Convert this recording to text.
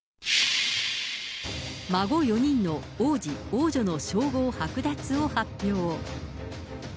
孫４人の王子、王女の称号剥奪を発表。